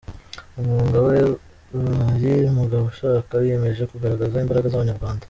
umwuga we i Burayi Mugabushaka wiyemeje. kugaragaza imbaraga z’Abanyarwanda.